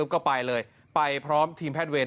ก็ไปเลยไปพร้อมทีมแพทย์เวร